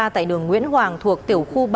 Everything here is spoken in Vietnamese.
tại đường nguyễn hoàng thuộc tiểu khu ba